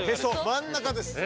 真ん中です。